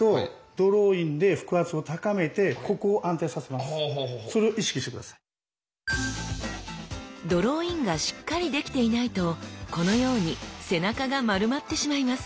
ドローインがしっかりできていないとこのように背中が丸まってしまいます。